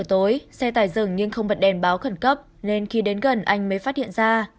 tối xe tải dừng nhưng không bật đèn báo khẩn cấp nên khi đến gần anh mới phát hiện ra